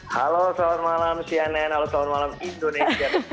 halo selamat malam cnn halo selamat malam indonesia